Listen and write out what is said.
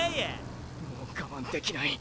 もう我慢できない。